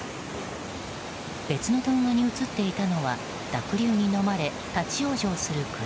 別の動画に映っていたのは濁流にのまれ立ち往生する車。